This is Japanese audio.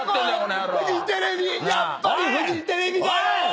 やっぱりフジテレビだよ！